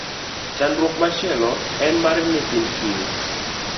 Chandruok machielo en mar nyithind kiye.